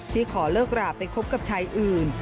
ขอเลิกราไปคบกับชายอื่น